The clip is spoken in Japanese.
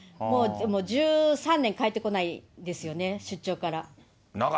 もう１３年帰ってこないんですよね、出張から。